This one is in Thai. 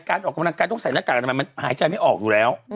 ออกกำลังกายต้องใส่หน้ากากอนามัยมันหายใจไม่ออกอยู่แล้ว